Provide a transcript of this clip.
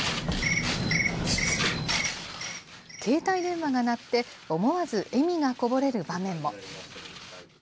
携帯電話が鳴って、思わず笑みがこぼれる場面も。